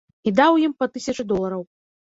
І даў ім па тысячы долараў.